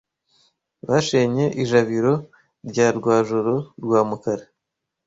Bashenye ijabiro rya Rwajoro rwa mukara